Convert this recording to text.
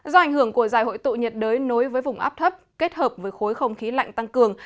do ảnh hưởng của giải hội tụ nhiệt đới nối với vùng áp thấp kết hợp với khối không khí lạnh tăng cường